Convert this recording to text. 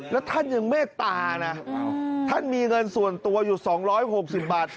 แล้วท่านยังเมตตานะท่านมีเงินส่วนตัวอยู่๒๖๐บาท